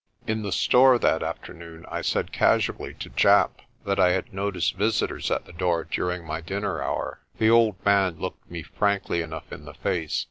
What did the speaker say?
In the store that afternoon I said casually to Japp that THE DRUMS BEAT AT SUNSET 81 I had noticed visitors at the door during my dinner hour. The old man looked me frankly enough in the face.